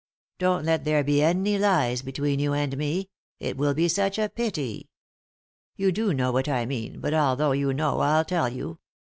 Don't let there be any lies between you and me — it will be such a pity. You do know what I mean, but although you know I'll tell you.